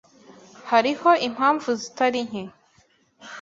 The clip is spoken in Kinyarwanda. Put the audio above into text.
Hariho impamvu zitari nke.